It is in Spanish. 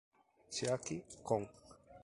Chiaki Kon